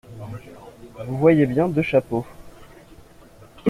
Vous voyez bien deux chapeaux !